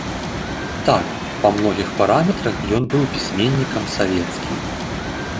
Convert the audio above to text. Так, па многіх параметрах ён быў пісьменнікам савецкім.